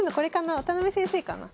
渡辺先生かな。